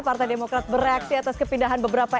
partai demokrat bereaksi atas kepindahan beberapa